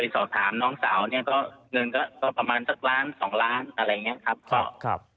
ศาลหน้างสาวก็เงินก็ประมาณสักล้านสองล้านครับ